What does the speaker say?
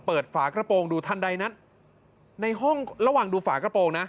เปิดฝากระโปรงดูทันใดนั้นระหว่างดูฝากระโปรง